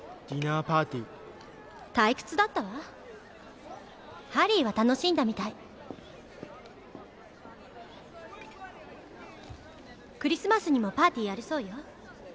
ディナーパーティー退屈だったわハリーは楽しんだみたいクリスマスにもパーティーやるそうよ